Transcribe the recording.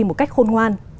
một cách khôn ngoan